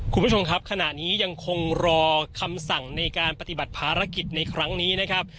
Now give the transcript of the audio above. คุณผู้ชมครับขณะนี้ยังคงรอคำสั่งในการปฏิบัติภารกิจในครั้งนี้นะครับ